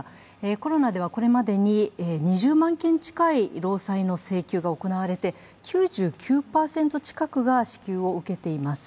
コロナではこれまでに２０万件近い労災の請求が行われて９９％近くが支給を受けています。